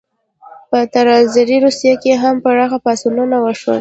په تزاري روسیه کې هم پراخ پاڅونونه وشول.